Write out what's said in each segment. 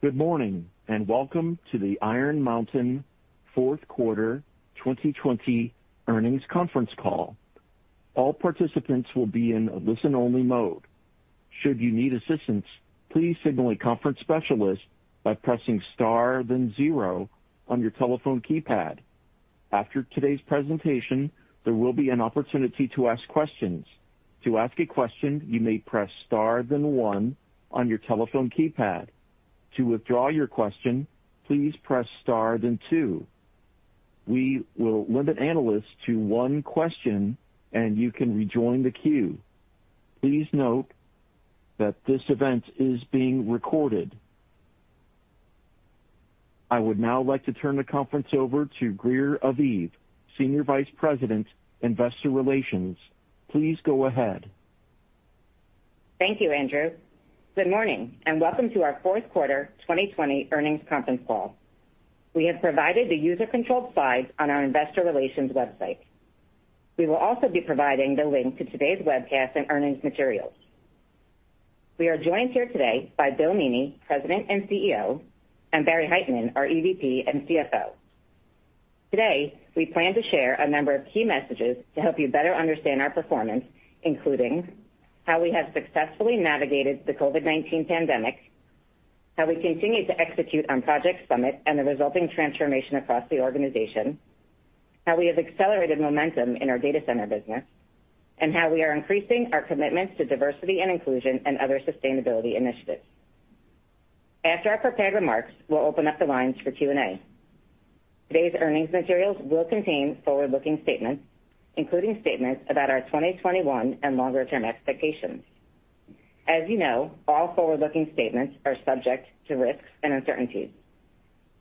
Good morning, and welcome to the Iron Mountain fourth quarter 2020 earnings conference call. All participants will be in listen-only mode. Should you need assistance, please signal a conference specialist by pressing star then zero on your telephone keypad. After today's presentation, there will be an opportunity to ask questions. To ask a question, you may press star then one on your telephone keypad. To withdraw your question, please press star then two. We will limit analysts to one question, and you can rejoin the queue. Please note that this event is being recorded. I would now like to turn the conference over to Greer Aviv, Senior Vice President, Investor Relations. Please go ahead. Thank you, Andrew. Good morning, and welcome to our fourth quarter 2020 earnings conference call. We have provided the user-controlled slides on our investor relations website. We will also be providing the link to today's webcast and earnings materials. We are joined here today by William Meaney, President and CEO, and Barry Hytinen, our EVP and CFO. Today, we plan to share a number of key messages to help you better understand our performance, including how we have successfully navigated the COVID-19 pandemic, how we continue to execute on Project Summit and the resulting transformation across the organization, how we have accelerated momentum in our data center business, and how we are increasing our commitments to diversity and inclusion and other sustainability initiatives. After our prepared remarks, we'll open up the lines for Q&A. Today's earnings materials will contain forward-looking statements, including statements about our 2021 and longer-term expectations. As you know, all forward-looking statements are subject to risks and uncertainties.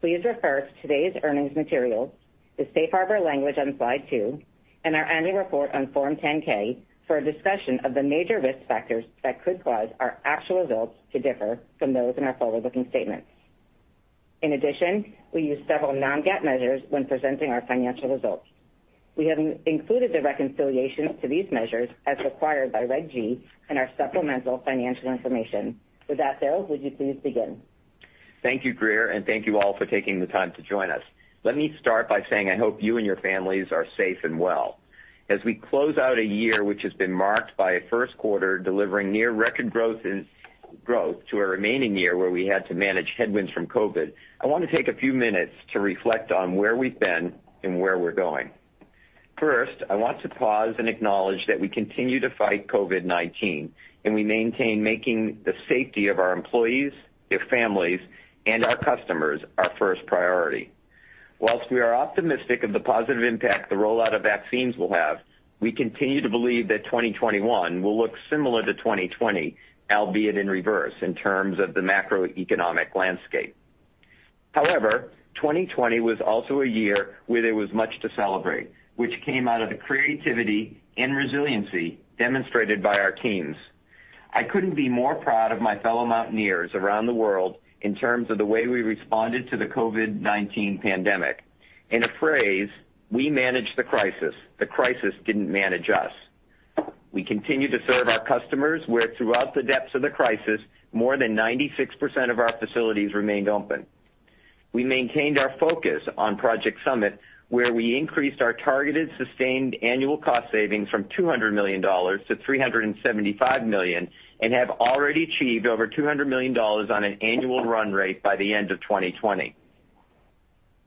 Please refer to today's earnings materials, the safe harbor language on slide 2, and our annual report on Form 10-K for a discussion of the major risk factors that could cause our actual results to differ from those in our forward-looking statements. In addition, we use several non-GAAP measures when presenting our financial results. We have included the reconciliation to these measures as required by Regulation G in our supplemental financial information. With that, William, would you please begin? Thank you, Greer, and thank you all for taking the time to join us. Let me start by saying I hope you and your families are safe and well. As we close out a year which has been marked by a first quarter delivering near-record growth to a remaining year where we had to manage headwinds from COVID, I want to take a few minutes to reflect on where we've been and where we're going. First, I want to pause and acknowledge that we continue to fight COVID-19, and we maintain making the safety of our employees, their families, and our customers our first priority. Whilst we are optimistic of the positive impact the rollout of vaccines will have, we continue to believe that 2021 will look similar to 2020, albeit in reverse in terms of the macroeconomic landscape. However, 2020 was also a year where there was much to celebrate, which came out of the creativity and resiliency demonstrated by our teams. I couldn't be more proud of my fellow Mountaineers around the world in terms of the way we responded to the COVID-19 pandemic. In a phrase, we managed the crisis. The crisis didn't manage us. We continued to serve our customers, where throughout the depths of the crisis, more than 96% of our facilities remained open. We maintained our focus on Project Summit, where we increased our targeted sustained annual cost savings from $200 million-$375 million and have already achieved over $200 million on an annual run rate by the end of 2020.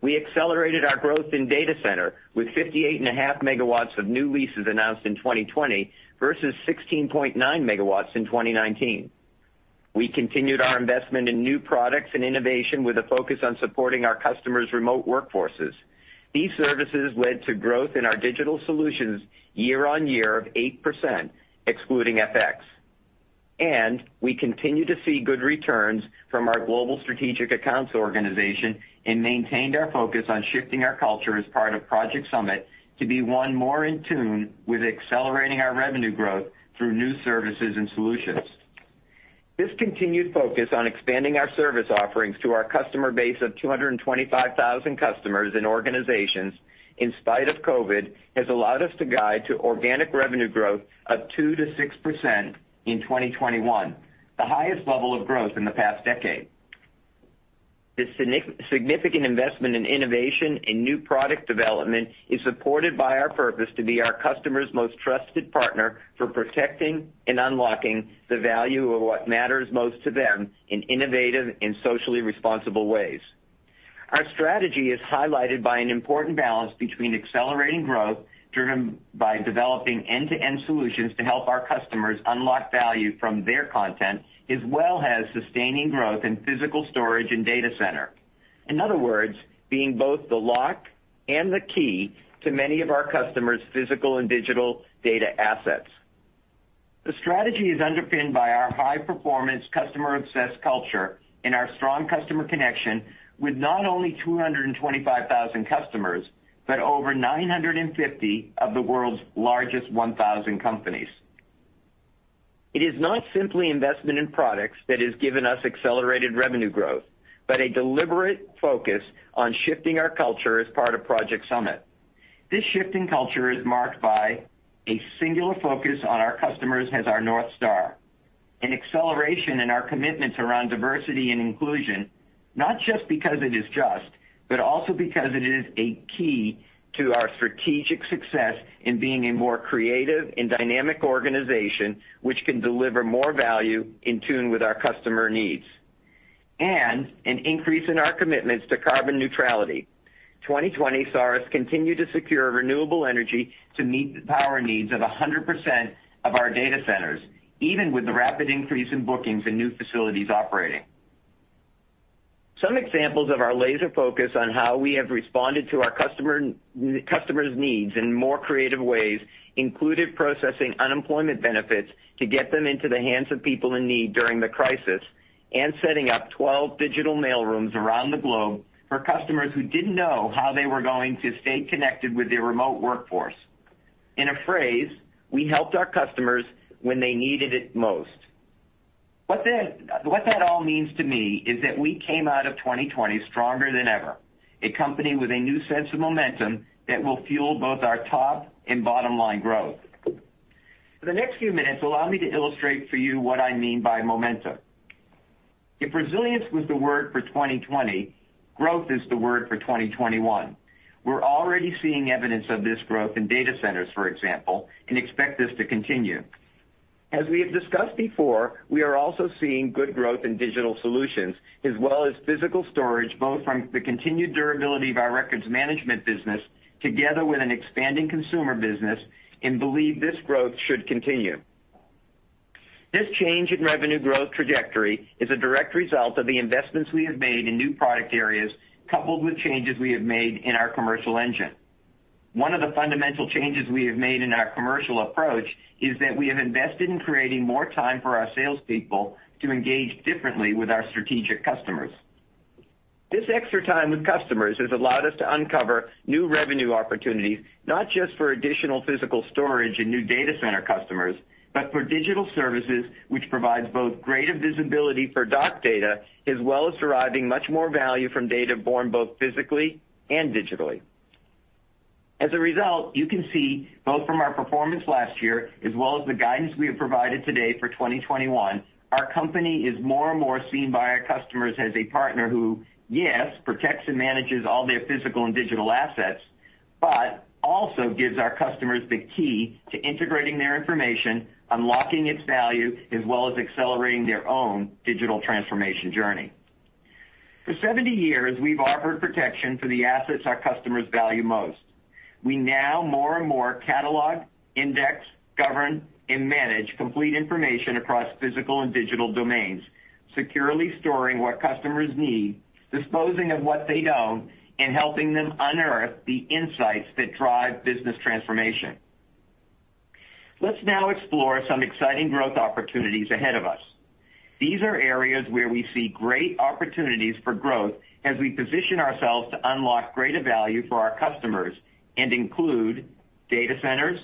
We accelerated our growth in data center with 58.5 MW of new leases announced in 2020 versus 16.9 MW in 2019. We continued our investment in new products and innovation with a focus on supporting our customers' remote workforces. These services led to growth in our digital solutions year on year of 8%, excluding FX. We continued to see good returns from our global strategic accounts organization and maintained our focus on shifting our culture as part of Project Summit to be one more in tune with accelerating our revenue growth through new services and solutions. This continued focus on expanding our service offerings to our customer base of 225,000 customers and organizations in spite of COVID has allowed us to guide to organic revenue growth of 2%-6% in 2021, the highest level of growth in the past decade. This significant investment in innovation and new product development is supported by our purpose to be our customers' most trusted partner for protecting and unlocking the value of what matters most to them in innovative and socially responsible ways. Our strategy is highlighted by an important balance between accelerating growth driven by developing end-to-end solutions to help our customers unlock value from their content, as well as sustaining growth in physical storage and data center. In other words, being both the lock and the key to many of our customers' physical and digital data assets. The strategy is underpinned by our high-performance, customer-obsessed culture and our strong customer connection with not only 225,000 customers, but over 950 of the world's largest 1,000 companies. It is not simply investment in products that has given us accelerated revenue growth, but a deliberate focus on shifting our culture as part of Project Summit. This shift in culture is marked by a singular focus on our customers as our North Star, an acceleration in our commitments around diversity and inclusion, not just because it is just, but also because it is a key to our strategic success in being a more creative and dynamic organization, which can deliver more value in tune with our customer needs. An increase in our commitments to carbon neutrality. 2020 saw us continue to secure renewable energy to meet the power needs of 100% of our data centers, even with the rapid increase in bookings and new facilities operating. Some examples of our laser focus on how we have responded to our customer's needs in more creative ways included processing unemployment benefits to get them into the hands of people in need during the crisis, and setting up 12 digital mail rooms around the globe for customers who didn't know how they were going to stay connected with their remote workforce. In a phrase, we helped our customers when they needed it most. What that all means to me is that we came out of 2020 stronger than ever, a company with a new sense of momentum that will fuel both our top and bottom-line growth. For the next few minutes, allow me to illustrate for you what I mean by momentum. If resilience was the word for 2020, growth is the word for 2021. We're already seeing evidence of this growth in data centers, for example, and expect this to continue. As we have discussed before, we are also seeing good growth in digital solutions as well as physical storage, both from the continued durability of our records management business together with an expanding consumer business, and believe this growth should continue. This change in revenue growth trajectory is a direct result of the investments we have made in new product areas, coupled with changes we have made in our commercial engine. One of the fundamental changes we have made in our commercial approach is that we have invested in creating more time for our salespeople to engage differently with our strategic customers. This extra time with customers has allowed us to uncover new revenue opportunities, not just for additional physical storage and new data center customers, but for digital services, which provides both greater visibility for dark data, as well as deriving much more value from data born both physically and digitally. As a result, you can see both from our performance last year as well as the guidance we have provided today for 2021, our company is more and more seen by our customers as a partner who, yes, protects and manages all their physical and digital assets, but also gives our customers the key to integrating their information, unlocking its value, as well as accelerating their own digital transformation journey. For 70 years, we've offered protection for the assets our customers value most. We now more and more catalog, index, govern, and manage complete information across physical and digital domains, securely storing what customers need, disposing of what they don't, and helping them unearth the insights that drive business transformation. Let's now explore some exciting growth opportunities ahead of us. These are areas where we see great opportunities for growth as we position ourselves to unlock greater value for our customers, and include data centers,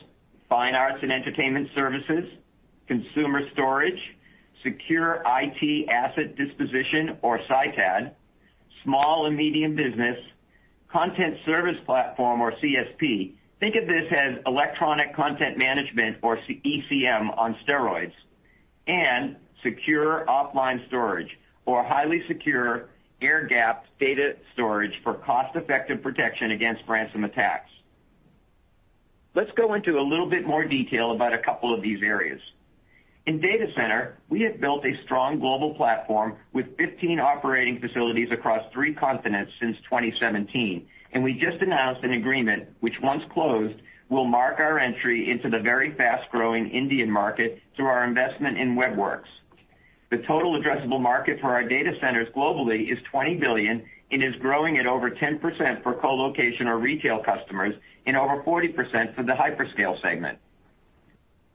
fine arts and entertainment services, consumer storage, Secure IT Asset Disposition, or SITAD, small and medium business, Content Service Platform or CSP, think of this as Electronic Content Management or ECM on steroids, and secure offline storage or highly secure air-gapped data storage for cost-effective protection against ransom attacks. Let's go into a little bit more detail about a couple of these areas. In data center, we have built a strong global platform with 15 operating facilities across three continents since 2017. We just announced an agreement which, once closed, will mark our entry into the very fast-growing Indian market through our investment in Web Werks. The total addressable market for our data centers globally is $20 billion and is growing at over 10% for co-location or retail customers and over 40% for the hyperscale segment.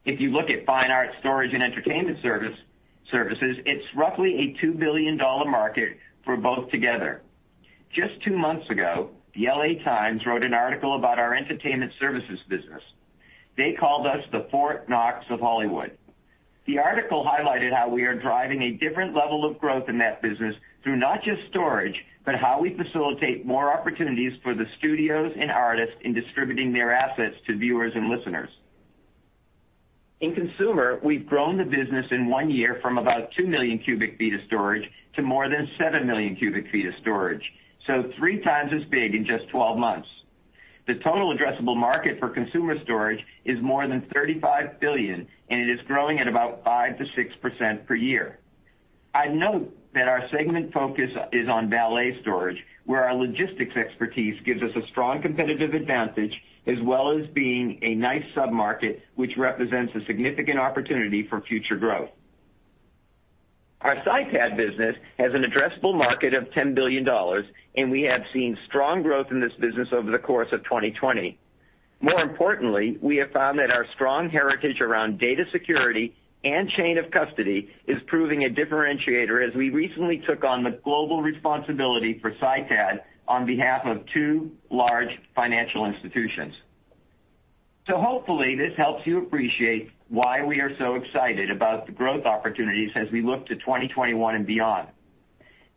If you look at fine art storage and entertainment services, it's roughly a $2 billion market for both together. Just two months ago, the "L.A. Times" wrote an article about our entertainment services business. They called us the Fort Knox of Hollywood. The article highlighted how we are driving a different level of growth in that business through not just storage, but how we facilitate more opportunities for the studios and artists in distributing their assets to viewers and listeners. In consumer, we've grown the business in one year from about 2 million cu ft of storage to more than 7 million cu ft of storage. three times as big in just 12 months. The total addressable market for consumer storage is more than $35 billion, and it is growing at about 5%-6% per year. I'd note that our segment focus is on valet storage, where our logistics expertise gives us a strong competitive advantage, as well as being a nice sub-market, which represents a significant opportunity for future growth. Our SITAD business has an addressable market of $10 billion, and we have seen strong growth in this business over the course of 2020. More importantly, we have found that our strong heritage around data security and chain of custody is proving a differentiator as we recently took on the global responsibility for SITAD on behalf of two large financial institutions. Hopefully this helps you appreciate why we are so excited about the growth opportunities as we look to 2021 and beyond.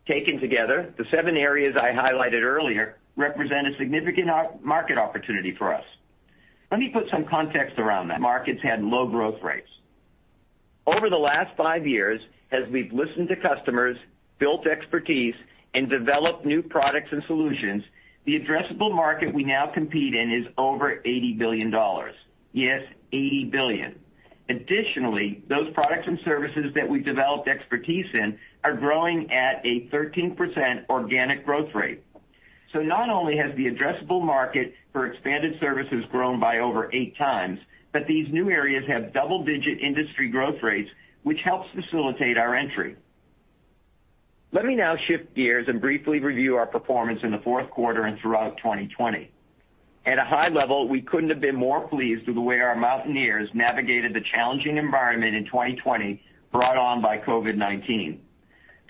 Taken together, the seven areas I highlighted earlier represent a significant market opportunity for us. Let me put some context around that. Markets had low growth rates. Over the last five years, as we've listened to customers, built expertise, and developed new products and solutions, the addressable market we now compete in is over $80 billion. Yes, $80 billion. Additionally, those products and services that we've developed expertise in are growing at a 13% organic growth rate. Not only has the addressable market for expanded services grown by over eight times, but these new areas have double-digit industry growth rates, which helps facilitate our entry. Let me now shift gears and briefly review our performance in the fourth quarter and throughout 2020. At a high level, we couldn't have been more pleased with the way our Mountaineers navigated the challenging environment in 2020 brought on by COVID-19.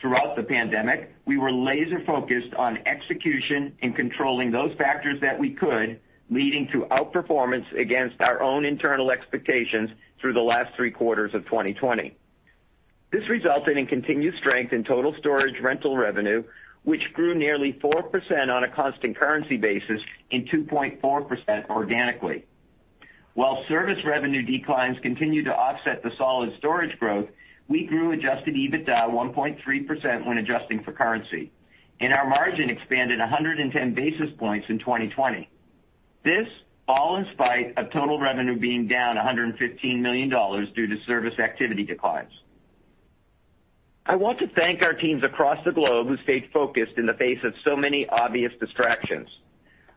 Throughout the pandemic, we were laser-focused on execution and controlling those factors that we could, leading to outperformance against our own internal expectations through the last three quarters of 2020. This resulted in continued strength in total storage rental revenue, which grew nearly 4% on a constant currency basis and 2.4% organically. While service revenue declines continue to offset the solid storage growth, we grew Adjusted EBITDA 1.3% when adjusting for currency, and our margin expanded 110 basis points in 2020. All in spite of total revenue being down $115 million due to service activity declines. I want to thank our teams across the globe who stayed focused in the face of so many obvious distractions.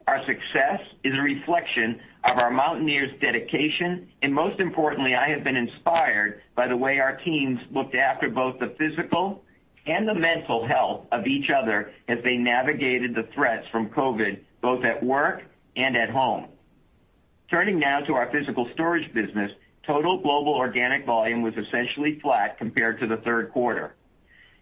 Our success is a reflection of our Mountaineers' dedication, and most importantly, I have been inspired by the way our teams looked after both the physical and the mental health of each other as they navigated the threats from COVID, both at work and at home. Turning now to our physical storage business, total global organic volume was essentially flat compared to the third quarter.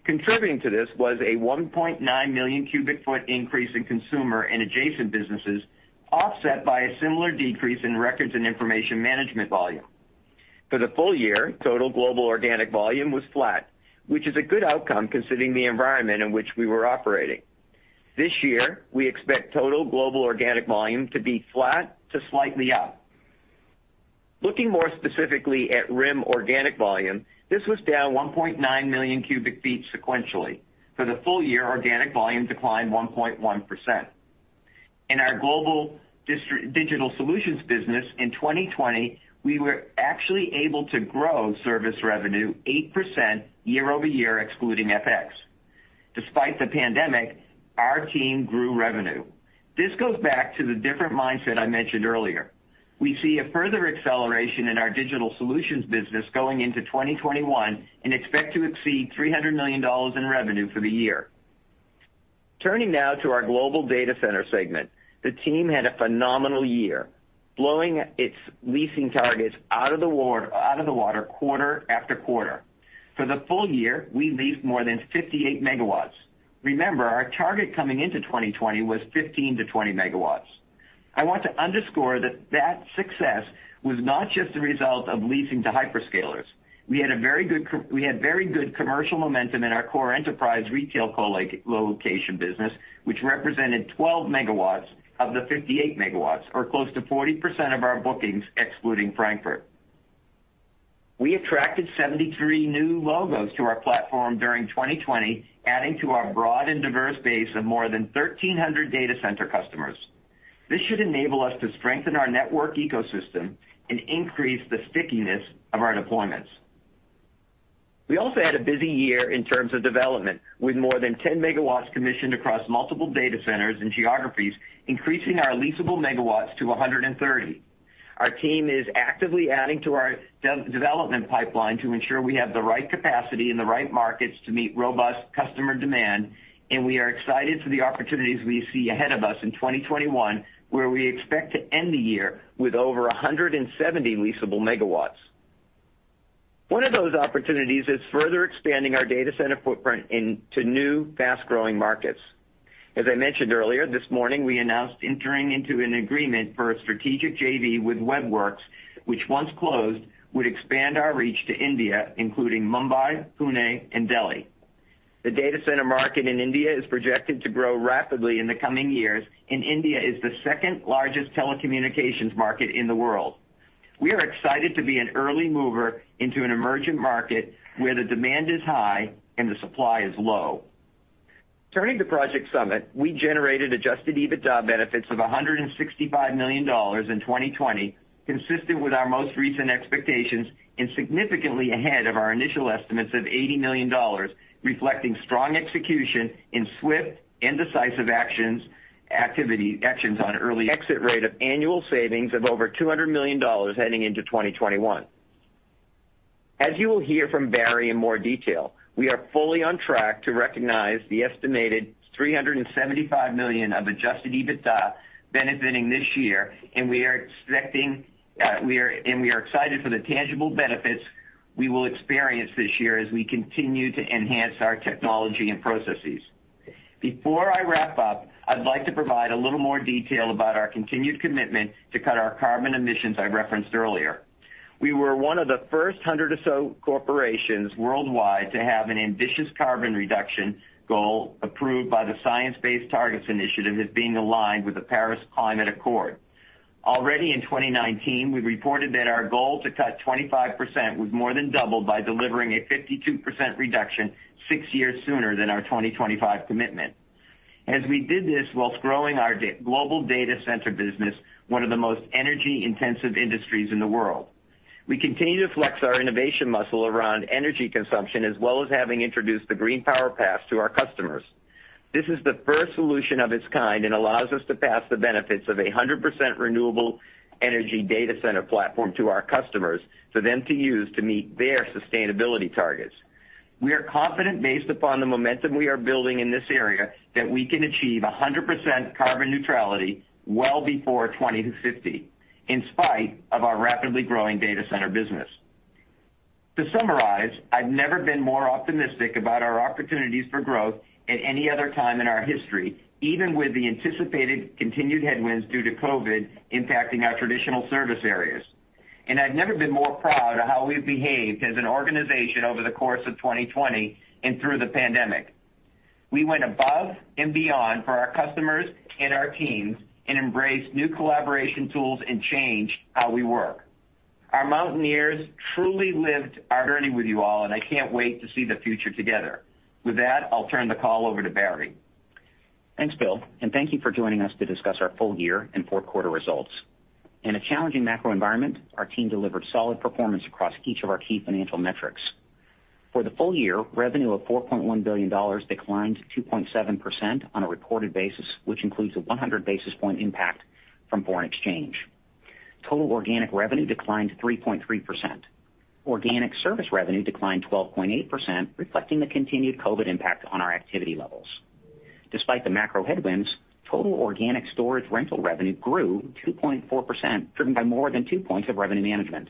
Contributing to this was a 1.9 million cu ft increase in consumer and adjacent businesses, offset by a similar decrease in records and information management volume. For the full year, total global organic volume was flat, which is a good outcome considering the environment in which we were operating. This year, we expect total global organic volume to be flat to slightly up. Looking more specifically at RIM organic volume, this was down 1.9 million cu ft sequentially. For the full year, organic volume declined 1.1%. In our global digital solutions business in 2020, we were actually able to grow service revenue 8% year-over-year, excluding FX. Despite the pandemic, our team grew revenue. This goes back to the different mindset I mentioned earlier. We see a further acceleration in our digital solutions business going into 2021 and expect to exceed $300 million in revenue for the year. Turning now to our global data center segment. The team had a phenomenal year, blowing its leasing targets out of the water quarter after quarter. For the full year, we leased more than 58 MW. Remember, our target coming into 2020 was 15 MW-20 MW. I want to underscore that success was not just the result of leasing to hyperscalers. We had very good commercial momentum in our core enterprise retail colocation business, which represented 12 MW of the 58 MW, or close to 40% of our bookings excluding Frankfurt. We attracted 73 new logos to our platform during 2020, adding to our broad and diverse base of more than 1,300 data center customers. This should enable us to strengthen our network ecosystem and increase the stickiness of our deployments. We also had a busy year in terms of development, with more than 10 MW commissioned across multiple data centers and geographies, increasing our leasable megawatts to 130. Our team is actively adding to our development pipeline to ensure we have the right capacity and the right markets to meet robust customer demand, and we are excited for the opportunities we see ahead of us in 2021, where we expect to end the year with over 170 leasable megawatts. One of those opportunities is further expanding our data center footprint into new, fast-growing markets. As I mentioned earlier this morning, we announced entering into an agreement for a strategic JV with Web Werks, which once closed, would expand our reach to India, including Mumbai, Pune, and Delhi. The data center market in India is projected to grow rapidly in the coming years. India is the second-largest telecommunications market in the world. We are excited to be an early mover into an emerging market where the demand is high and the supply is low. Turning to Project Summit, we generated Adjusted EBITDA benefits of $165 million in 2020, consistent with our most recent expectations and significantly ahead of our initial estimates of $80 million, reflecting strong execution in swift and decisive actions on early exit rate of annual savings of over $200 million heading into 2021. As you will hear from Barry in more detail, we are fully on track to recognize the estimated $375 million of Adjusted EBITDA benefiting this year. We are excited for the tangible benefits we will experience this year as we continue to enhance our technology and processes. Before I wrap up, I'd like to provide a little more detail about our continued commitment to cut our carbon emissions I referenced earlier. We were one of the first 100 or so corporations worldwide to have an ambitious carbon reduction goal approved by the Science Based Targets initiative as being aligned with the Paris Climate Accord. Already in 2019, we reported that our goal to cut 25% was more than doubled by delivering a 52% reduction six years sooner than our 2025 commitment. As we did this whilst growing our global data center business, one of the most energy-intensive industries in the world. We continue to flex our innovation muscle around energy consumption, as well as having introduced the Green Power Pass to our customers. This is the first solution of its kind and allows us to pass the benefits of 100% renewable energy data center platform to our customers for them to use to meet their sustainability targets. We are confident, based upon the momentum we are building in this area, that we can achieve 100% carbon neutrality well before 2050, in spite of our rapidly growing data center business. To summarize, I've never been more optimistic about our opportunities for growth at any other time in our history, even with the anticipated continued headwinds due to COVID-19 impacting our traditional service areas. I've never been more proud of how we've behaved as an organization over the course of 2020 and through the pandemic. We went above and beyond for our customers and our teams and embraced new collaboration tools and changed how we work. Our Mountaineers truly lived our journey with you all, and I can't wait to see the future together. With that, I'll turn the call over to Barry. Thanks, William. Thank you for joining us to discuss our full year and fourth quarter results. In a challenging macro environment, our team delivered solid performance across each of our key financial metrics. For the full year, revenue of $4.1 billion declined 2.7% on a reported basis, which includes a 100-basis point impact from foreign exchange. Total organic revenue declined 3.3%. Organic service revenue declined 12.8%, reflecting the continued COVID impact on our activity levels. Despite the macro headwinds, total organic storage rental revenue grew 2.4%, driven by more than two points of revenue management.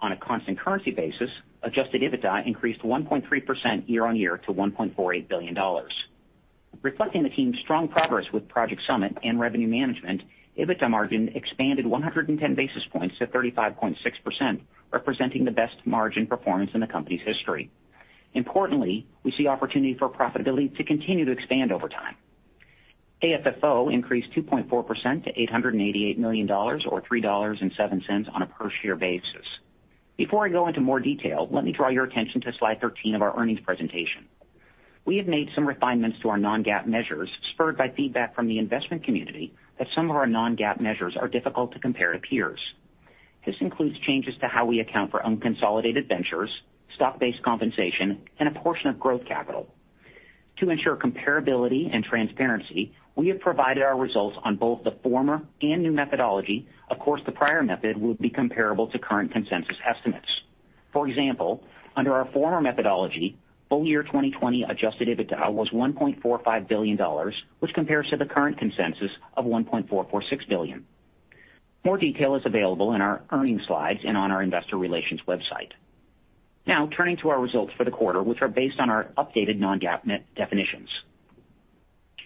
On a constant currency basis, Adjusted EBITDA increased 1.3% year on year to $1.48 billion. Reflecting the team's strong progress with Project Summit and revenue management, EBITDA margin expanded 110 basis points to 35.6%, representing the best margin performance in the company's history. Importantly, we see opportunity for profitability to continue to expand over time. AFFO increased 2.4% to $888 million, or $3.07 on a per-share basis. Before I go into more detail, let me draw your attention to slide 13 of our earnings presentation. We have made some refinements to our non-GAAP measures, spurred by feedback from the investment community that some of our non-GAAP measures are difficult to compare to peers. This includes changes to how we account for unconsolidated ventures, stock-based compensation, and a portion of growth capital. To ensure comparability and transparency, we have provided our results on both the former and new methodology. Of course, the prior method would be comparable to current consensus estimates. For example, under our former methodology, full year 2020 Adjusted EBITDA was $1.45 billion, which compares to the current consensus of $1.446 billion. More detail is available in our earnings slides and on our investor relations website. Turning to our results for the quarter, which are based on our updated non-GAAP definitions.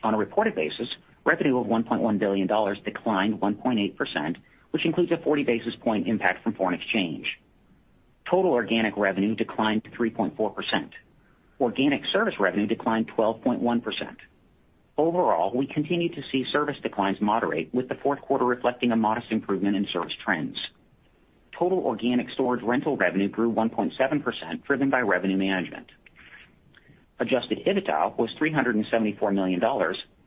On a reported basis, revenue of $1.1 billion declined 1.8%, which includes a 40-basis point impact from foreign exchange. Total organic revenue declined 3.4%. Organic service revenue declined 12.1%. Overall, we continue to see service declines moderate, with the fourth quarter reflecting a modest improvement in service trends. Total organic storage rental revenue grew 1.7%, driven by revenue management. Adjusted EBITDA was $374 million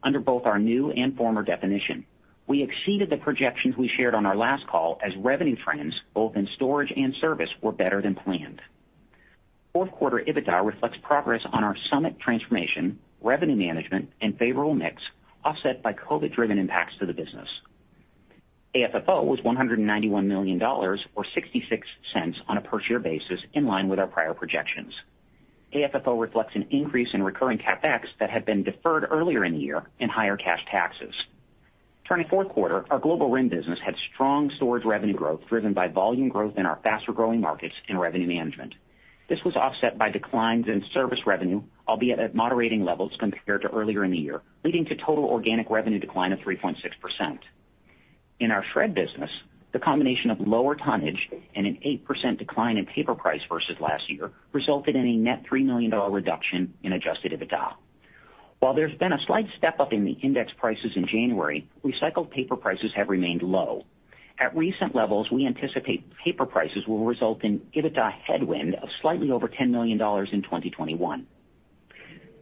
under both our new and former definition. We exceeded the projections we shared on our last call as revenue trends, both in storage and service, were better than planned. Fourth quarter EBITDA reflects progress on our Project Summit transformation, revenue management, and favorable mix, offset by COVID-driven impacts to the business. AFFO was $191 million, or $0.66 on a per-share basis, in line with our prior projections. AFFO reflects an increase in recurring CapEx that had been deferred earlier in the year and higher cash taxes. Turning to fourth quarter, our Global RIM business had strong storage revenue growth, driven by volume growth in our faster-growing markets and revenue management. This was offset by declines in service revenue, albeit at moderating levels compared to earlier in the year, leading to total organic revenue decline of 3.6%. In our Shred business, the combination of lower tonnage and an 8% decline in paper price versus last year resulted in a net $3 million reduction in Adjusted EBITDA. While there's been a slight step-up in the index prices in January, recycled paper prices have remained low. At recent levels, we anticipate paper prices will result in EBITDA headwind of slightly over $10 million in 2021.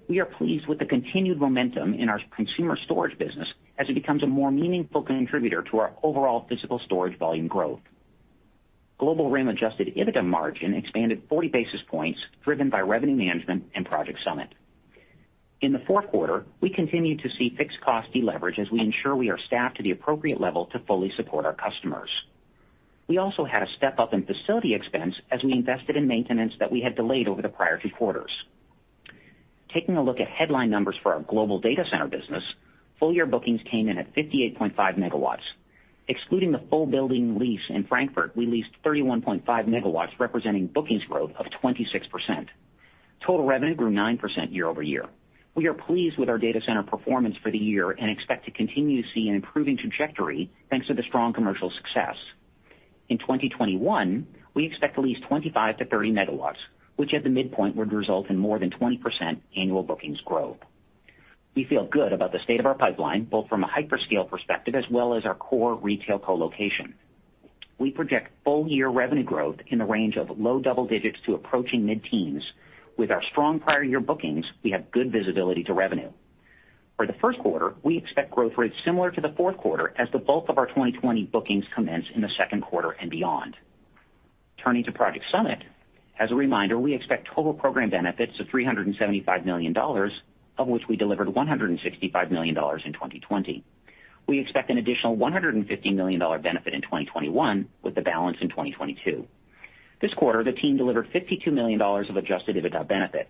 We are pleased with the continued momentum in our consumer storage business as it becomes a more meaningful contributor to our overall physical storage volume growth. Global RIM Adjusted EBITDA margin expanded 40 basis points, driven by revenue management and Project Summit. In the fourth quarter, we continued to see fixed cost deleverage as we ensure we are staffed to the appropriate level to fully support our customers. We also had a step-up in facility expense as we invested in maintenance that we had delayed over the prior two quarters. Taking a look at headline numbers for our global data center business, full year bookings came in at 58.5 MW. Excluding the full building lease in Frankfurt, we leased 31.5 MW, representing bookings growth of 26%. Total revenue grew 9% year-over-year. We are pleased with our data center performance for the year and expect to continue to see an improving trajectory thanks to the strong commercial success. In 2021, we expect to lease 25 MW-30 MW, which at the midpoint would result in more than 20% annual bookings growth. We feel good about the state of our pipeline, both from a hyperscale perspective as well as our core retail co-location. We project full year revenue growth in the range of low double digits to approaching mid-teens. With our strong prior year bookings, we have good visibility to revenue. For the first quarter, we expect growth rates similar to the fourth quarter as the bulk of our 2020 bookings commence in the second quarter and beyond. Turning to Project Summit, as a reminder, we expect total program benefits of $375 million, of which we delivered $165 million in 2020. We expect an additional $150 million benefit in 2021, with the balance in 2022. This quarter, the team delivered $52 million of Adjusted EBITDA benefit.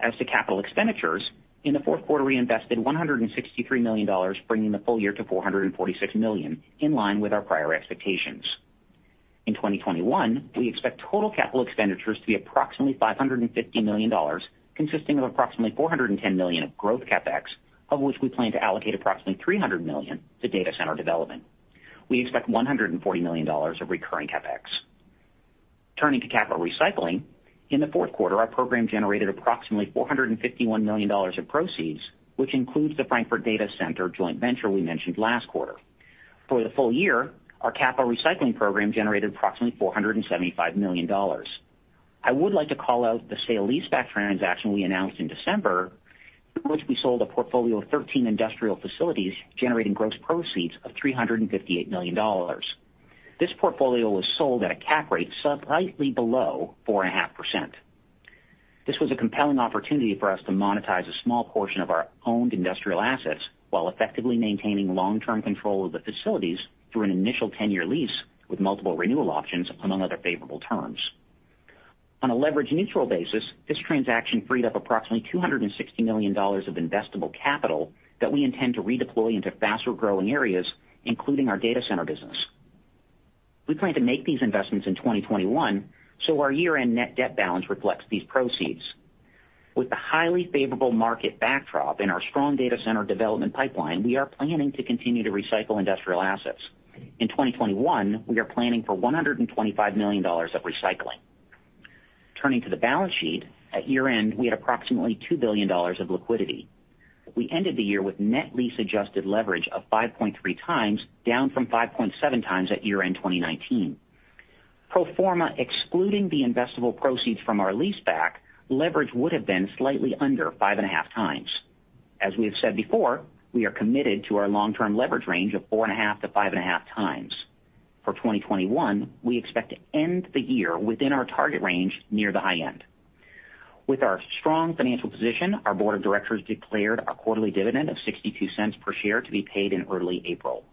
As to capital expenditures, in the fourth quarter, we invested $163 million, bringing the full year to $446 million, in line with our prior expectations. In 2021, we expect total capital expenditures to be approximately $550 million, consisting of approximately $410 million of growth CapEx, of which we plan to allocate approximately $300 million to data center development. We expect $140 million of recurring CapEx. Turning to capital recycling, in the fourth quarter, our program generated approximately $451 million of proceeds, which includes the Frankfurt Data Center joint venture we mentioned last quarter. For the full year, our capital recycling program generated approximately $475 million. I would like to call out the sale leaseback transaction we announced in December, through which we sold a portfolio of 13 industrial facilities, generating gross proceeds of $358 million. This portfolio was sold at a cap rate slightly below 4.5%. This was a compelling opportunity for us to monetize a small portion of our owned industrial assets while effectively maintaining long-term control of the facilities through an initial 10-year lease with multiple renewal options, among other favorable terms. On a leverage neutral basis, this transaction freed up approximately $260 million of investable capital that we intend to redeploy into faster-growing areas, including our data center business. We plan to make these investments in 2021, so our year-end net debt balance reflects these proceeds. With the highly favorable market backdrop and our strong data center development pipeline, we are planning to continue to recycle industrial assets. In 2021, we are planning for $125 million of recycling. Turning to the balance sheet, at year end, we had approximately $2 billion of liquidity. We ended the year with net lease adjusted leverage of 5.3x, down from 5.7x at year end 2019. Pro forma excluding the investable proceeds from our leaseback, leverage would've been slightly under 5.5x. As we have said before, we are committed to our long-term leverage range of 4.5x-5.5x. For 2021, we expect to end the year within our target range, near the high end. With our strong financial position, our board of directors declared a quarterly dividend of $0.62 per share to be paid in early April.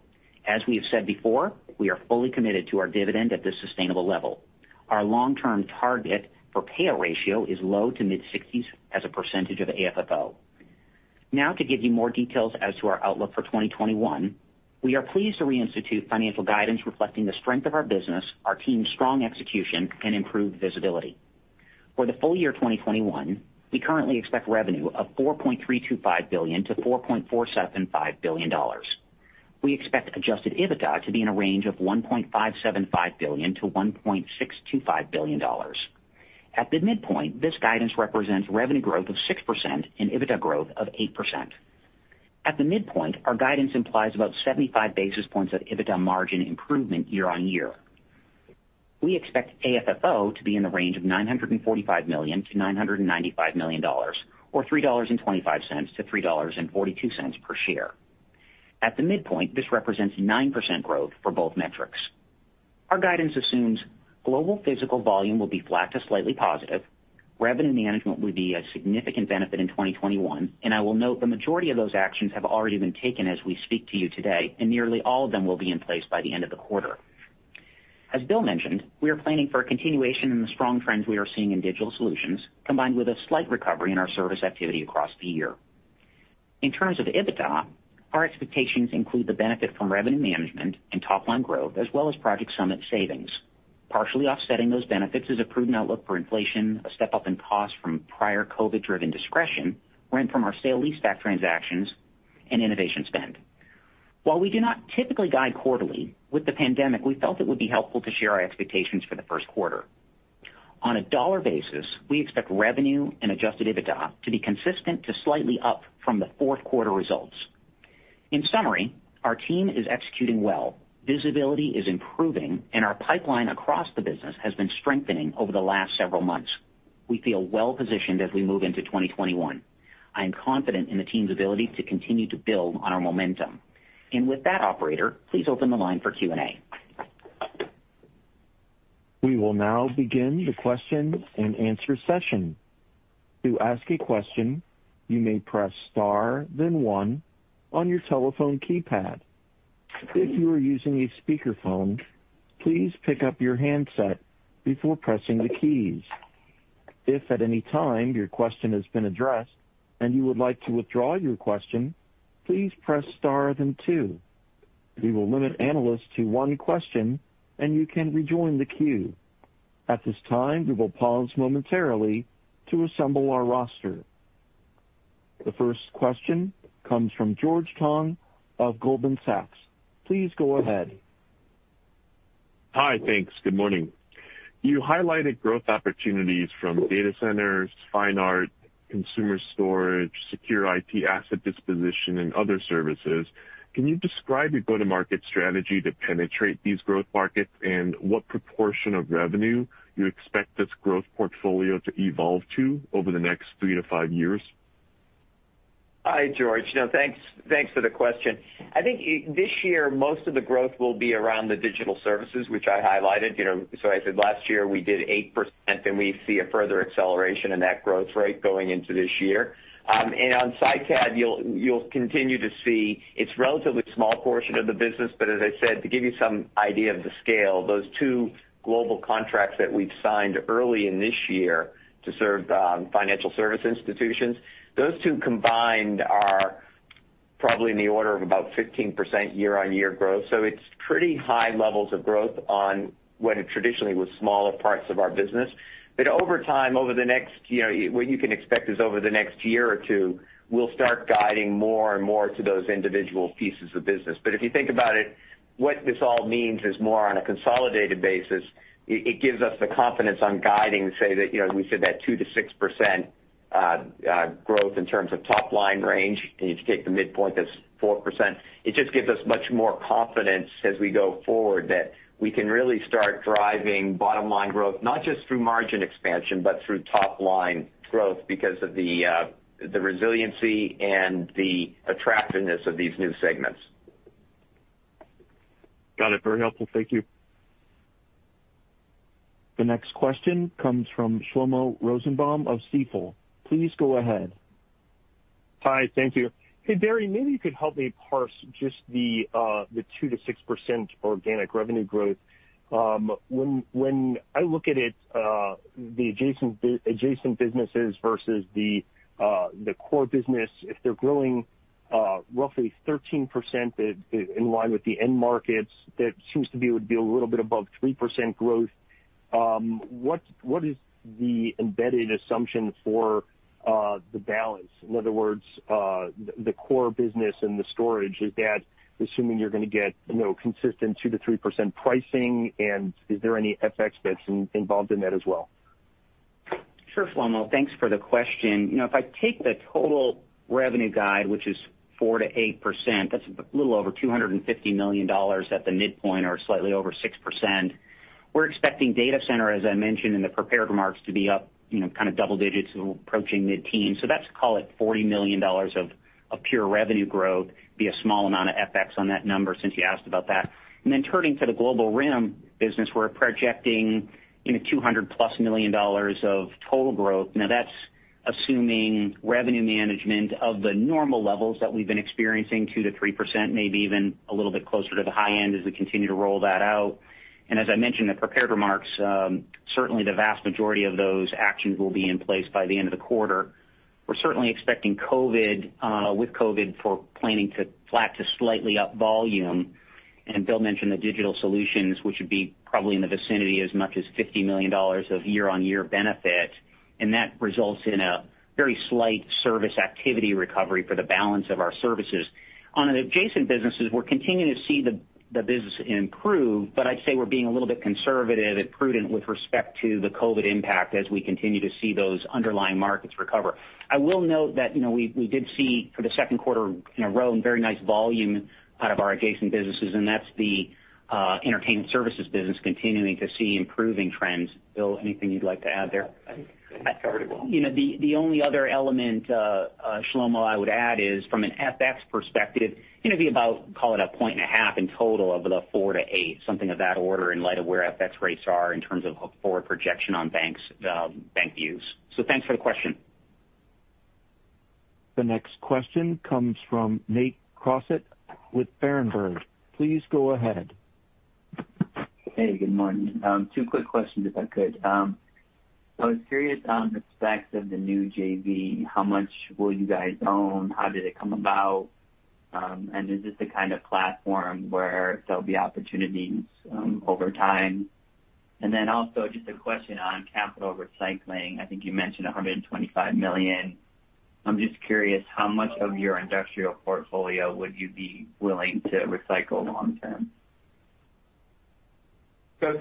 As we have said before, we are fully committed to our dividend at this sustainable level. Our long-term target for payout ratio is low to mid-60s as a percentage of AFFO. To give you more details as to our outlook for 2021, we are pleased to reinstitute financial guidance reflecting the strength of our business, our team's strong execution, and improved visibility. For the full year 2021, we currently expect revenue of $4.325 billion-$4.475 billion. We expect Adjusted EBITDA to be in a range of $1.575 billion-$1.625 billion. At the midpoint, this guidance represents revenue growth of 6% and EBITDA growth of 8%. At the midpoint, our guidance implies about 75 basis points of EBITDA margin improvement year on year. We expect AFFO to be in the range of $945 million-$995 million, or $3.25-$3.42 per share. At the midpoint, this represents 9% growth for both metrics. Our guidance assumes global physical volume will be flat to slightly positive. Revenue management will be a significant benefit in 2021, and I will note the majority of those actions have already been taken as we speak to you today, and nearly all of them will be in place by the end of the quarter. As William mentioned, we are planning for a continuation in the strong trends we are seeing in digital solutions, combined with a slight recovery in our service activity across the year. In terms of EBITDA, our expectations include the benefit from revenue management and top-line growth, as well as Project Summit savings. Partially offsetting those benefits is a prudent outlook for inflation, a step-up in cost from prior COVID-driven discretion, rent from our sale leaseback transactions, and innovation spend. While we do not typically guide quarterly, with the pandemic, we felt it would be helpful to share our expectations for the first quarter. On a dollar basis, we expect revenue and Adjusted EBITDA to be consistent to slightly up from the fourth quarter results. In summary, our team is executing well. Visibility is improving, and our pipeline across the business has been strengthening over the last several months. We feel well positioned as we move into 2021. I am confident in the team's ability to continue to build on our momentum. With that, operator, please open the line for Q&A. We will now begin the question and answer session. To ask a question you may press star then one on your telephone keypad. If you are using a speakerphone, please pick up your handset before pressing the keys. If at anytime your question has been addressed and you would like to withdraw your question, please press star then two. You will limmit us to one question and you can rejoin the queue. At this time, we will pause momentarily to assemble our roster. The first question comes from George Tong of Goldman Sachs. Please go ahead. Hi. Thanks. Good morning. You highlighted growth opportunities from data centers, fine art, consumer storage, Secure IT Asset Disposition, and other services. Can you describe your go-to-market strategy to penetrate these growth markets, and what proportion of revenue you expect this growth portfolio to evolve to over the next three to five years? Hi, George. Thanks for the question. I think this year most of the growth will be around the digital services, which I highlighted. I said last year we did 8%, and we see a further acceleration in that growth rate going into this year. On SITAD, you'll continue to see it's a relatively small portion of the business, but as I said, to give you some idea of the scale, those two global contracts that we've signed early in this year to serve financial service institutions, those two combined are probably in the order of about 15% year on-year growth. It's pretty high levels of growth on what traditionally was smaller parts of our business. Over time, what you can expect is over the next year or two, we'll start guiding more and more to those individual pieces of business. If you think about it, what this all means is more on a consolidated basis. It gives us the confidence on guiding, say that we said that 2%-6% growth in terms of top-line range. If you take the midpoint, that's 4%. It just gives us much more confidence as we go forward that we can really start driving bottom-line growth, not just through margin expansion, but through top-line growth because of the resiliency and the attractiveness of these new segments. Got it. Very helpful. Thank you. The next question comes from Shlomo Rosenbaum of Stifel. Please go ahead. Hi. Thank you. Hey, Barry, maybe you could help me parse just the 2%-6% organic revenue growth. When I look at it, the adjacent businesses versus the core business, if they're growing roughly 13% in line with the end markets, that would be a little bit above 3% growth. What is the embedded assumption for the balance? In other words, the core business and the storage, is that assuming you're going to get consistent 2%-3% pricing, and is there any FX involved in that as well? Sure, Shlomo. Thanks for the question. If I take the total revenue guide, which is 4%-8%, that's a little over $250 million at the midpoint or slightly over 6%. We're expecting data center, as I mentioned in the prepared remarks, to be up double digits, approaching mid-teen. That's call it $40 million of pure revenue growth, be a small amount of FX on that number since you asked about that. Turning to the Global RIM business, we're projecting +$200 million of total growth. Now, that's assuming revenue management of the normal levels that we've been experiencing, 2%-3%, maybe even a little bit closer to the high end as we continue to roll that out. As I mentioned in the prepared remarks, certainly the vast majority of those actions will be in place by the end of the quarter. We're certainly expecting with COVID for planning to flat to slightly up volume. William mentioned the digital solutions, which would be probably in the vicinity as much as $50 million of year-over-year benefit, and that results in a very slight service activity recovery for the balance of our services. On the adjacent businesses, we're continuing to see the business improve, but I'd say we're being a little bit conservative and prudent with respect to the COVID impact as we continue to see those underlying markets recover. I will note that we did see for the second quarter in a row very nice volume out of our adjacent businesses, and that's the entertainment services business continuing to see improving trends. William, anything you'd like to add there? I think you covered it well. The only other element, Shlomo, I would add is from an FX perspective, it'd be about call it a point and a half in total of the four to eight, something of that order in light of where FX rates are in terms of a forward projection on bank views. Thanks for the question. The next question comes from Nate Crossett with Berenberg. Please go ahead. Hey, good morning. Two quick questions, if I could. I was curious on the specs of the new JV. How much will you guys own? How did it come about? Is this the kind of platform where there'll be opportunities over time? Also just a question on capital recycling. I think you mentioned $125 million. I'm just curious how much of your industrial portfolio would you be willing to recycle long term?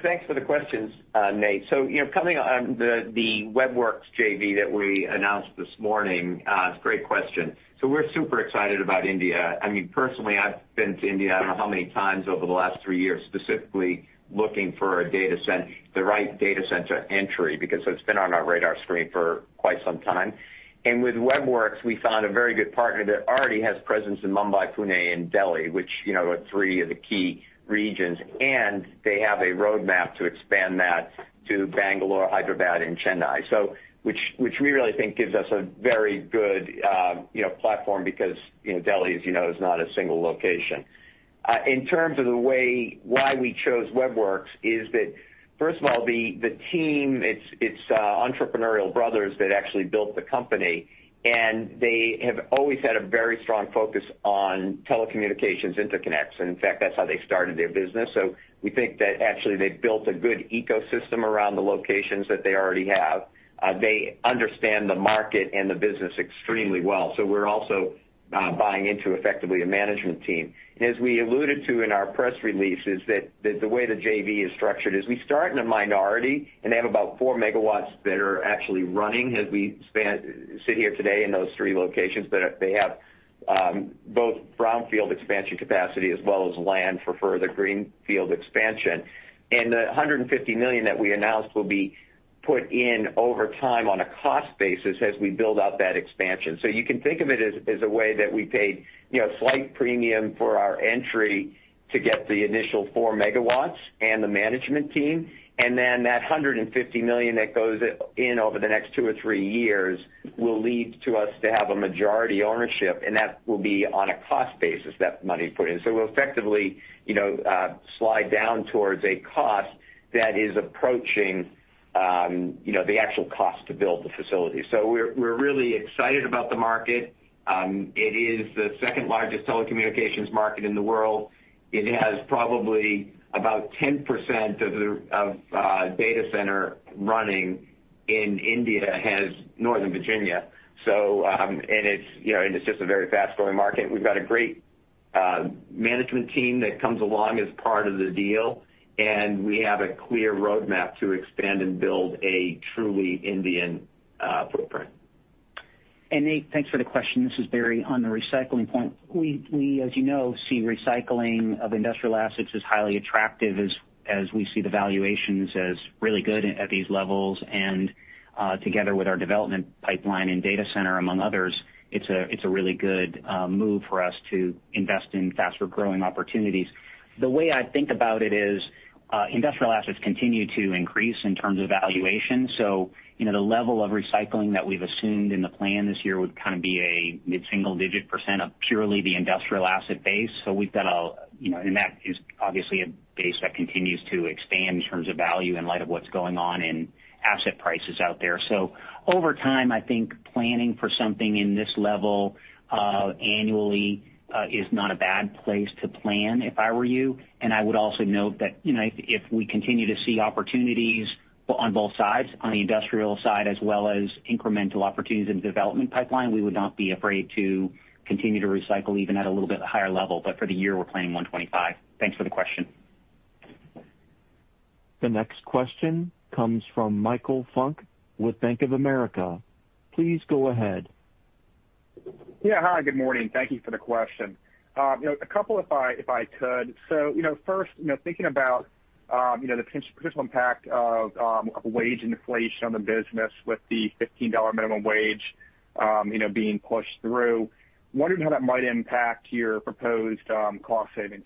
Thanks for the questions, Nate. Coming on the Web Werks JV that we announced this morning, great question. We're super excited about India. Personally, I've been to India I don't know how many times over the last three years, specifically looking for the right data center entry, because it's been on our radar screen for quite some time. With Web Werks, we found a very good partner that already has presence in Mumbai, Pune, and Delhi, which are three of the key regions, and they have a roadmap to expand that to Bangalore, Hyderabad, and Chennai. Which we really think gives us a very good platform because Delhi, as you know, is not a single location. In terms of why we chose Web Werks is that, first of all, the team, it's entrepreneurial brothers that actually built the company. They have always had a very strong focus on telecommunications interconnects. In fact, that's how they started their business. We think that actually they've built a good ecosystem around the locations that they already have. They understand the market and the business extremely well. We're also buying into, effectively, a management team. As we alluded to in our press release, is that the way the JV is structured is we start in a minority, and they have about four megawatts that are actually running as we sit here today in those three locations, that they have both brownfield expansion capacity as well as land for further greenfield expansion. The $150 million that we announced will be put in over time on a cost basis as we build out that expansion. You can think of it as a way that we paid a slight premium for our entry to get the initial four megawatts and the management team, and then that $150 million that goes in over the next two or three years will lead to us to have a majority ownership, and that will be on a cost basis, that money put in. We'll effectively slide down towards a cost that is approaching the actual cost to build the facility. We're really excited about the market. It is the second-largest telecommunications market in the world. It has probably about 10% of data center running in India, has Northern Virginia. It's just a very fast-growing market. We've got a great management team that comes along as part of the deal, and we have a clear roadmap to expand and build a truly Indian footprint. Nate, thanks for the question. This is Barry. On the recycling point, we, as you know, see recycling of industrial assets as highly attractive, as we see the valuations as really good at these levels. Together with our development pipeline and data center, among others, it's a really good move for us to invest in faster-growing opportunities. The way I think about it is industrial assets continue to increase in terms of valuation. The level of recycling that we've assumed in the plan this year would be a mid-single digit percent of purely the industrial asset base. That is obviously a base that continues to expand in terms of value in light of what's going on in asset prices out there. Over time, I think planning for something in this level annually is not a bad place to plan, if I were you. I would also note that if we continue to see opportunities on both sides, on the industrial side as well as incremental opportunities in the development pipeline, we would not be afraid to continue to recycle even at a little bit higher level. For the year, we're planning $125. Thanks for the question. The next question comes from Michael Funk with Bank of America. Please go ahead. Yeah. Hi, good morning. Thank you for the question. A couple if I could. First, thinking about the potential impact of wage inflation on the business with the $15 minimum wage being pushed through, wondering how that might impact your proposed cost savings.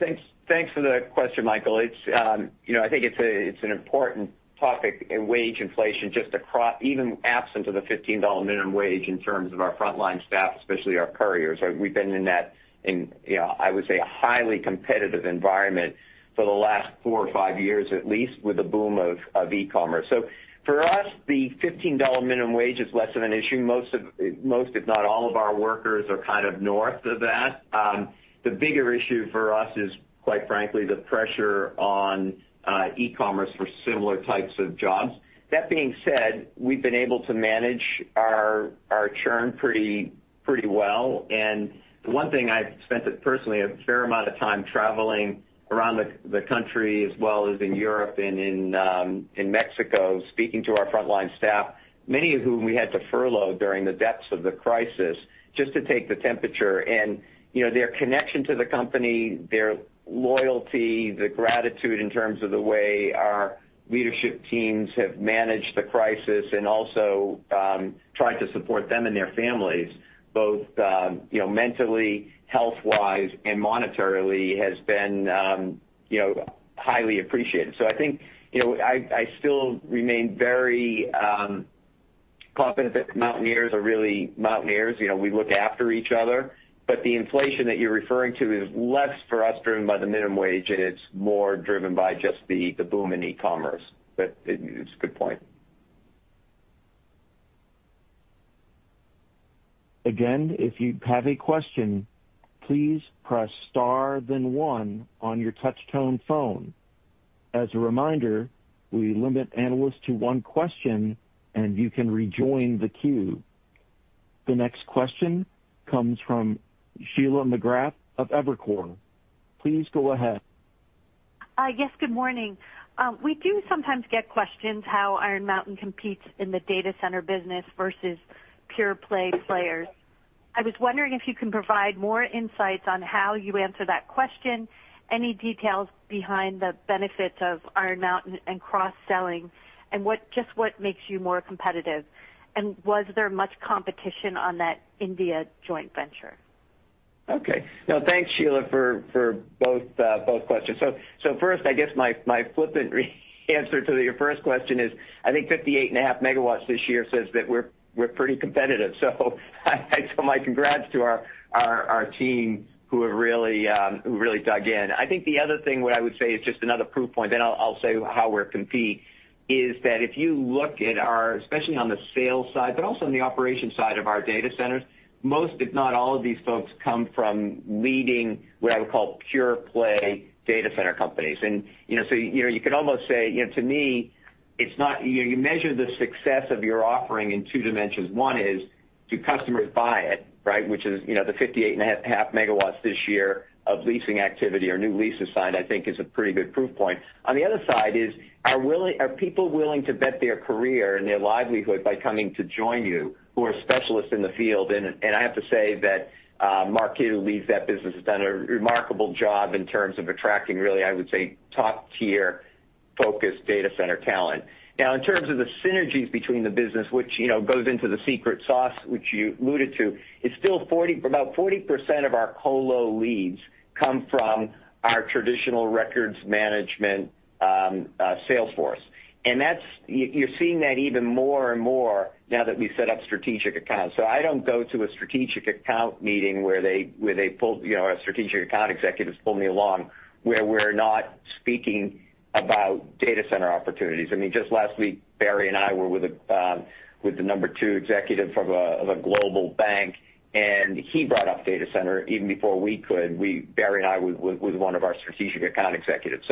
Thanks for the question, Michael. I think it's an important topic in wage inflation, even absent of the $15 minimum wage in terms of our frontline staff, especially our couriers. We've been in that, I would say, a highly competitive environment for the last four or five years at least with the boom of e-commerce. For us, the $15 minimum wage is less of an issue. Most, if not all of our workers are north of that. The bigger issue for us is, quite frankly, the pressure on e-commerce for similar types of jobs. That being said, we've been able to manage our churn pretty well. The one thing I've spent personally a fair amount of time traveling around the country as well as in Europe and in Mexico, speaking to our frontline staff, many of whom we had to furlough during the depths of the crisis, just to take the temperature and their connection to the company, their loyalty, the gratitude in terms of the way our leadership teams have managed the crisis and also tried to support them and their families, both mentally, health-wise, and monetarily has been highly appreciated. I think I still remain very confident that Mountaineers are really Mountaineers. We look after each other. The inflation that you're referring to is less for us driven by the minimum wage, and it's more driven by just the boom in e-commerce. It's a good point. Again if you have a question, pless press star then one. As a reminder, we limit analysts to one question, and you can rejoin the queue. The next question comes from Sheila McGrath of Evercore. Please go ahead. Yes, good morning. We do sometimes get questions how Iron Mountain competes in the data center business versus pure-play players. I was wondering if you can provide more insights on how you answer that question, any details behind the benefits of Iron Mountain and cross-selling, and just what makes you more competitive? Was there much competition on that India joint venture? Okay. No, thanks, Sheila, for both questions. First, I guess my flippant answer to your first question is, I think 58.5 MW this year says that we are pretty competitive. My congrats to our team who really dug in. I think the other thing, what I would say is just another proof point, then I will say how we compete, is that if you look at our, especially on the sales side, but also on the operations side of our data centers, most, if not all of these folks come from leading, what I would call pure play data center companies. You could almost say, to me, you measure the success of your offering in two dimensions. One is, do customers buy it, right? Which is, the 58.5 MW this year of leasing activity or new leases signed, I think is a pretty good proof point. On the other side is, are people willing to bet their career and their livelihood by coming to join you, who are specialists in the field? I have to say that Mark, who leads that business, has done a remarkable job in terms of attracting really, I would say, top-tier focused data center talent. In terms of the synergies between the business, which goes into the secret sauce which you alluded to, it's still about 40% of our co-lo leads come from our traditional records management sales force. You're seeing that even more and more now that we've set up strategic accounts. I don't go to a strategic account meeting where our strategic account executives pull me along, where we're not speaking about data center opportunities. Just last week, Barry and I were with the number two executive of a global bank, and he brought up data center even before we could. Barry and I with one of our strategic account executives.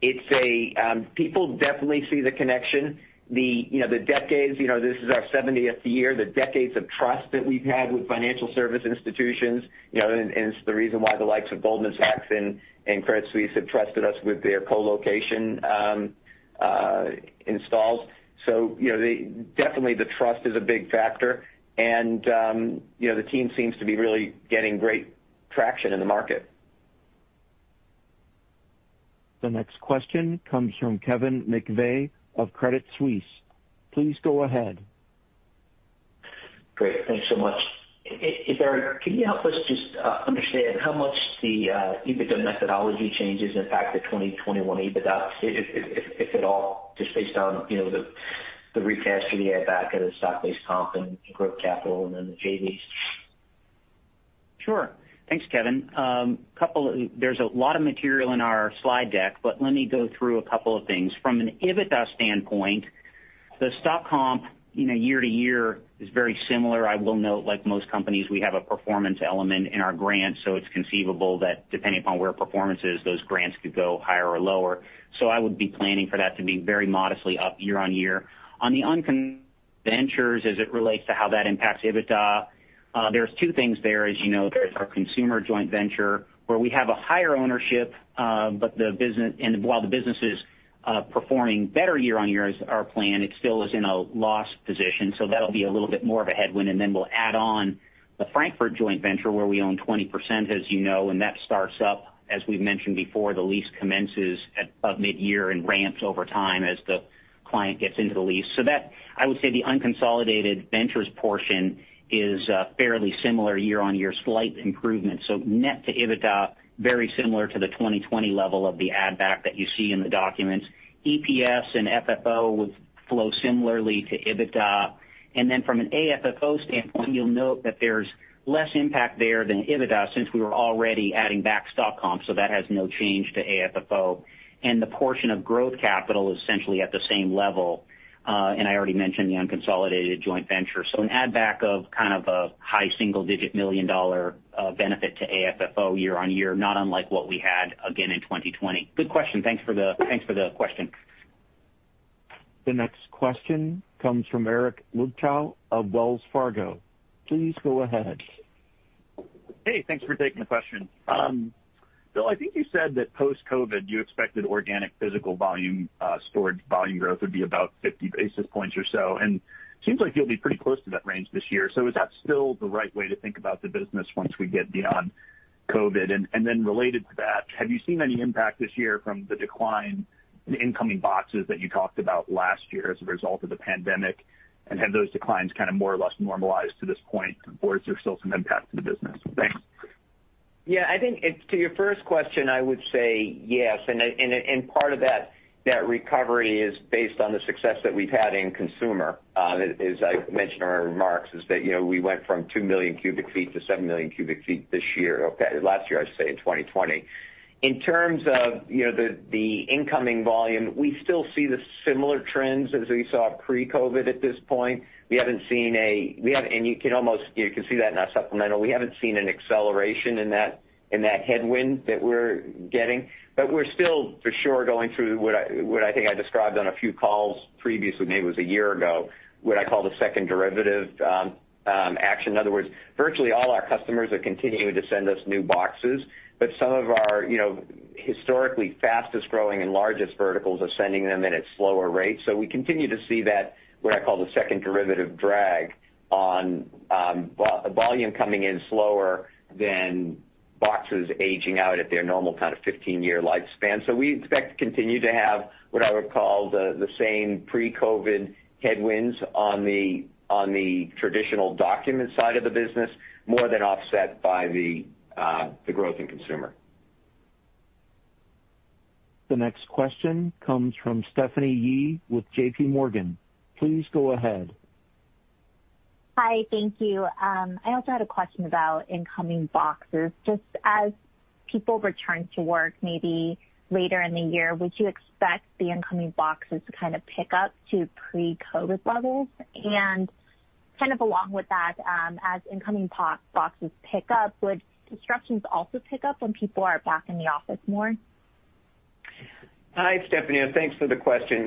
People definitely see the connection. The decades, this is our 70th year, the decades of trust that we've had with financial service institutions, and it's the reason why the likes of Goldman Sachs and Credit Suisse have trusted us with their co-location installs. Definitely the trust is a big factor. The team seems to be really getting great traction in the market. The next question comes from Kevin McVeigh of Credit Suisse. Please go ahead. Great. Thanks so much. Barry, can you help us just understand how much the EBITDA methodology changes impact the 2021 EBITDA, if at all, just based on the recast of the add back of the stock-based comp and growth capital and then the JVs? Sure. Thanks, Kevin. There's a lot of material in our slide deck, but let me go through a couple of things. From an EBITDA standpoint, the stock comp year to year is very similar. I will note, like most companies, we have a performance element in our grants, so it's conceivable that depending upon where performance is, those grants could go higher or lower. I would be planning for that to be very modestly up year on year. On the unconsolidated ventures as it relates to how that impacts EBITDA, there's two things there. As you know, there's our consumer joint venture where we have a higher ownership, and while the business is performing better year on year as our plan, it still is in a loss position. That'll be a little bit more of a headwind. Then we'll add on the Frankfurt joint venture where we own 20%, as you know, and that starts up, as we've mentioned before, the lease commences at mid-year and ramps over time as the client gets into the lease. That I would say the unconsolidated ventures portion is fairly similar year on year, slight improvement. Net to EBITDA, very similar to the 2020 level of the add back that you see in the documents. EPS and FFO would flow similarly to EBITDA. Then from an AFFO standpoint, you'll note that there's less impact there than EBITDA since we were already adding back stock comp, so that has no change to AFFO. The portion of growth capital is essentially at the same level. I already mentioned the unconsolidated joint venture. An add back of kind of a high single-digit million dollar benefit to AFFO year on year, not unlike what we had again in 2020. Good question. Thanks for the question. The next question comes from Eric Luebchow of Wells Fargo. Please go ahead. Hey, thanks for taking the question. William, I think you said that post-COVID, you expected organic physical volume storage volume growth would be about 50 basis points or so, and seems like you'll be pretty close to that range this year. Is that still the right way to think about the business once we get beyond COVID? Related to that, have you seen any impact this year from the decline in incoming boxes that you talked about last year as a result of the pandemic? Have those declines kind of more or less normalized to this point, or is there still some impact to the business? Thanks. Yeah, I think to your first question, I would say yes. Part of that recovery is based on the success that we've had in consumer. As I mentioned in our remarks, is that we went from 2 million cu ft to 7 million cu ft this year. Last year, I should say, in 2020. In terms of the incoming volume, we still see the similar trends as we saw pre-COVID at this point. You can see that in our supplemental. We haven't seen an acceleration in that headwind that we're getting. We're still for sure going through what I think I described on a few calls previously, maybe it was a year ago, what I call the second derivative action. In other words, virtually all our customers are continuing to send us new boxes. Some of our historically fastest-growing and largest verticals are sending them in at slower rates. We continue to see that, what I call the second derivative drag on volume coming in slower than boxes aging out at their normal 15-year lifespan. We expect to continue to have what I would call the same pre-COVID headwinds on the traditional document side of the business, more than offset by the growth in consumer. The next question comes from Stephanie Yee with JPMorgan. Please go ahead. Hi. Thank you. I also had a question about incoming boxes. Just as people return to work maybe later in the year, would you expect the incoming boxes to kind of pick up to pre-COVID levels? Kind of along with that, as incoming boxes pick up, would destructions also pick up when people are back in the office more? Hi, Stephanie, and thanks for the question.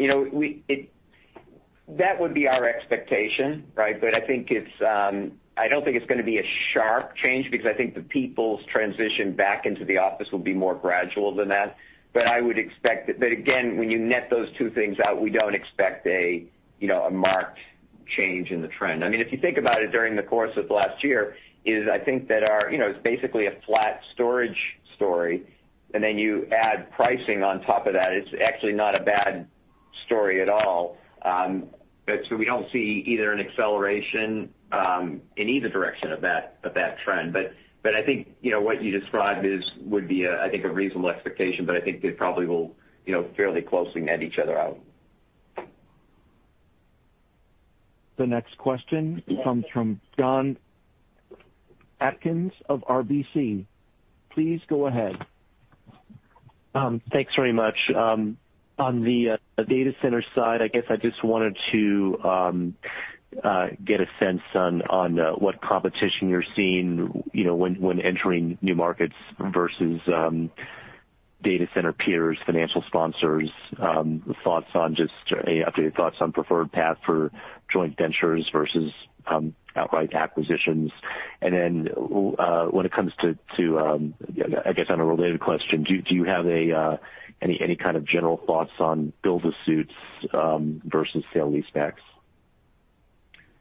That would be our expectation, right? I don't think it's going to be a sharp change because I think the people's transition back into the office will be more gradual than that. Again, when you net those two things out, we don't expect a marked change in the trend. If you think about it during the course of last year, is I think that it's basically a flat storage story, and then you add pricing on top of that. It's actually not a bad story at all. We don't see either an acceleration in either direction of that trend. I think what you described would be, I think, a reasonable expectation, but I think they probably will fairly closely net each other out. The next question comes from Jonathan Atkin of RBC. Please go ahead. Thanks very much. On the data center side, I guess I just wanted to get a sense on what competition you're seeing when entering new markets versus data center peers, financial sponsors, updated thoughts on preferred path for joint ventures versus outright acquisitions. Then when it comes to, I guess, on a related question, do you have any kind of general thoughts on build-to-suits versus sale-leasebacks?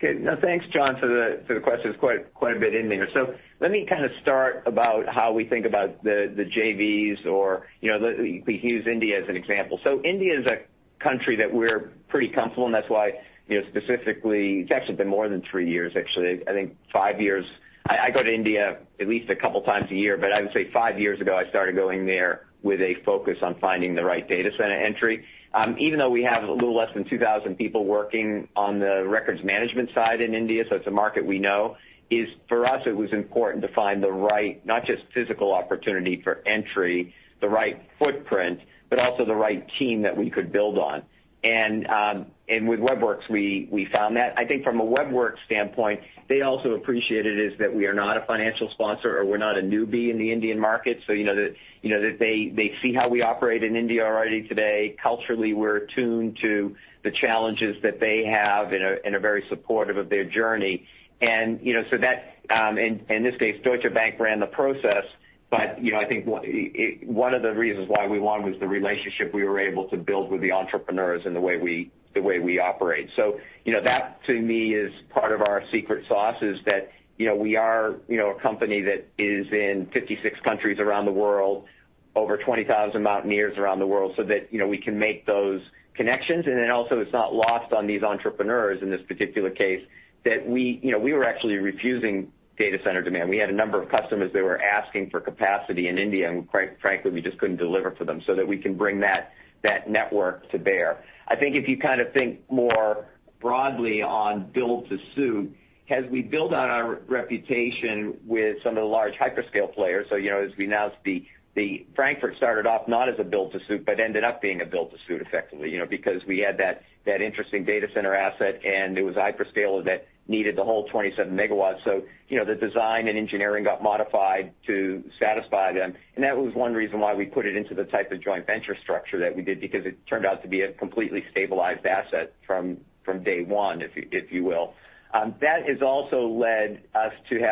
Okay. No, thanks, Jonathan, for the questions. Quite a bit in there. Let me kind of start about how we think about the JVs, or we can use India as an example. India is a country that we're pretty comfortable, and that's why specifically, it's actually been more than three years, actually, I think five years. I go to India at least a couple of times a year. I would say five years ago, I started going there with a focus on finding the right data center entry. Even though we have a little less than 2,000 people working on the records management side in India, so it's a market we know, is for us, it was important to find the right, not just physical opportunity for entry, the right footprint, but also the right team that we could build on. With Web Werks, we found that. I think from a Web Werks standpoint, they also appreciated is that we are not a financial sponsor or we're not a newbie in the Indian market. They see how we operate in India already today. Culturally, we're attuned to the challenges that they have and are very supportive of their journey. In this case, Deutsche Bank ran the process. I think one of the reasons why we won was the relationship we were able to build with the entrepreneurs and the way we operate. That to me is part of our secret sauce, is that we are a company that is in 56 countries around the world, over 20,000 Mountaineers around the world, so that we can make those connections. Also it's not lost on these entrepreneurs in this particular case that we were actually refusing data center demand. We had a number of customers that were asking for capacity in India, and quite frankly, we just couldn't deliver for them so that we can bring that network to bear. I think if you kind of think more broadly on build to suit, as we build on our reputation with some of the large hyperscale players. As we announced, Frankfurt started off not as a build to suit, but ended up being a build to suit effectively because we had that interesting data center asset, and it was hyperscale that needed the whole 27 MW. The design and engineering got modified to satisfy them, and that was one reason why we put it into the type of joint venture structure that we did, because it turned out to be a completely stabilized asset from day one, if you will. That has also led us. We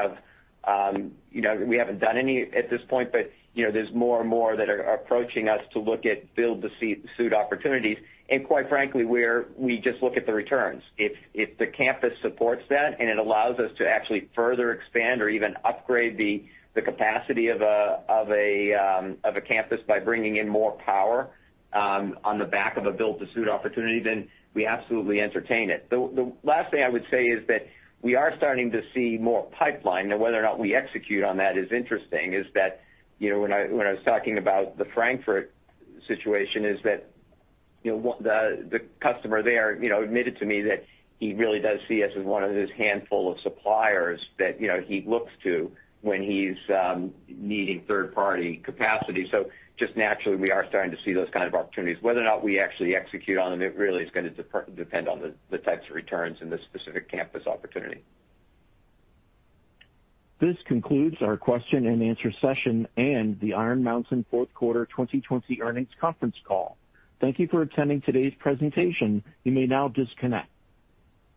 haven't done any at this point, but there's more and more that are approaching us to look at build-to-suit opportunities. Quite frankly, we just look at the returns. If the campus supports that and it allows us to actually further expand or even upgrade the capacity of a campus by bringing in more power on the back of a build-to-suit opportunity, then we absolutely entertain it. The last thing I would say is that we are starting to see more pipeline. Whether or not we execute on that is interesting, is that when I was talking about the Frankfurt situation, is that the customer there admitted to me that he really does see us as one of his handful of suppliers that he looks to when he's needing third-party capacity. Just naturally, we are starting to see those kind of opportunities. Whether or not we actually execute on them, it really is going to depend on the types of returns in the specific campus opportunity. This concludes our question and answer session and the Iron Mountain Fourth Quarter 2020 Earnings Conference Call. Thank you for attending today's presentation. You may now disconnect.